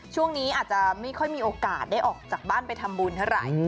ช่วงนี้อาจจะไม่ค่อยมีโอกาสได้ออกจากบ้านไปทำบุญเท่าไหร่